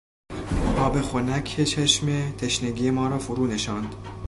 آب خنک چشمه تشنگی ما را فرونشاند.